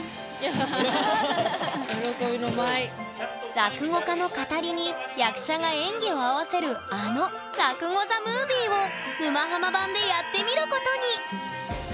落語家の語りに役者が演技を合わせるあの「落語ＴＨＥＭＯＶＩＥ」を沼ハマ版でやってみることに！